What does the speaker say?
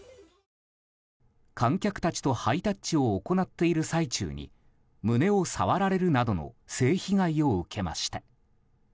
観客たちとハイタッチを行っている最中に胸を触られるなどの性被害を受けました。